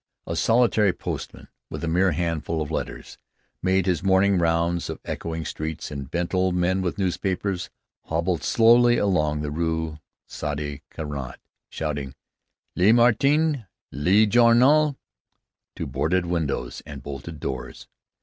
A solitary postman, with a mere handful of letters, made his morning rounds of echoing streets, and a bent old man with newspapers hobbled slowly along the Rue Sadi Carnot shouting, "Le Matin! Le Journal!" to boarded windows and bolted doors.